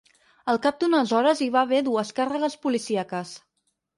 Al cap d’unes hores hi va haver dures càrregues policíaques.